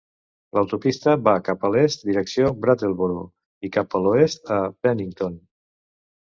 L'autopista va cap a l'est direcció Brattleboro i cap a l'oest a Bennington.